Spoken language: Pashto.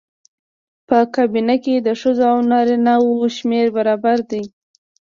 په کابینه کې د ښځو او نارینه وو شمېر برابر دی.